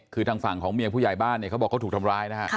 คือทางฝั่งของเมียผู้ใหญ่บ้านเนี่ยเขาบอกเขาถูกทำร้ายนะฮะ